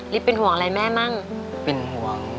ลิฟต์เป็นห่วงอะไรแม่บ้าง